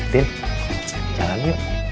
tin jalan yuk